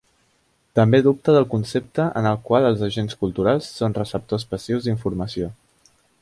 També dubta del concepte en el qual els agents culturals són receptors passius d'informació.